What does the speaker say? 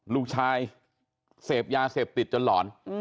ลูกชายเสพยาเสพติดจนหลอน